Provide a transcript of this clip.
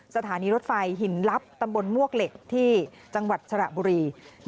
สถานีรถไฟหินลับตำบลมวกเหล็กที่จังหวัดสระบุรี